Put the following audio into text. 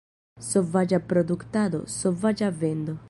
Sovaĝa produktado, sovaĝa vendo.